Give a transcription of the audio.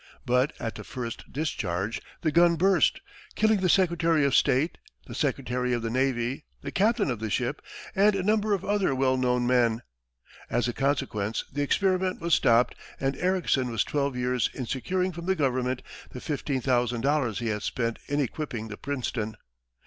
But at the first discharge, the gun burst, killing the secretary of state, the secretary of the navy, the captain of the ship, and a number of other well known men. As a consequence, the experiment was stopped and Ericsson was twelve years in securing from the government the $15,000 he had spent in equipping the Princeton.